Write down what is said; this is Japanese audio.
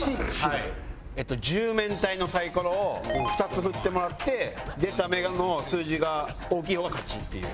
１０面体のサイコロを２つ振ってもらって出た目の数字が大きい方が勝ちっていう。